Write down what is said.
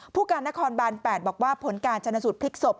ผู้การนครบาน๘บอกว่าผลการชนะสูตรพลิกศพ